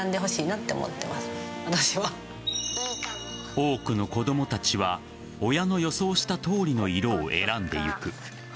多くの子供たちは親の予想した通りの色を選んでゆく。